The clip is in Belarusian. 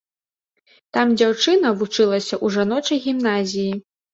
Там дзяўчына вучылася ў жаночай гімназіі.